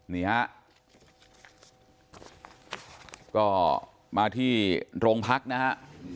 นี่ฮะก็มาที่โรงพักนะฮะ